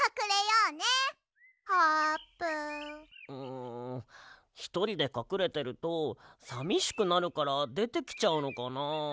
んひとりでかくれてるとさみしくなるからでてきちゃうのかな。